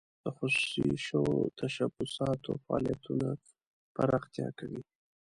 د خصوصي شوو تشبثاتو فعالیتونه پراختیا کوي.